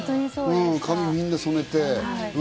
髪みんな染めて。